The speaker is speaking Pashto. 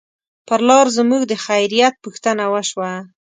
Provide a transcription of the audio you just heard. پر لار زموږ د خیریت پوښتنه وشوه.